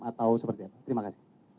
atau seperti apa terima kasih